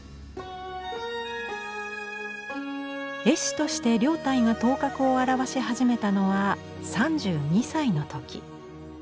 絵師として凌岱が頭角を現し始めたのは３２歳の時。